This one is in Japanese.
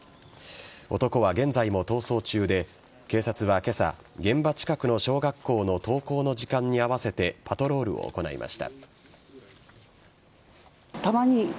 男は現在も逃走中で警察は今朝現場近くの小学校の登校の時間に合わせてパトロールを行いました。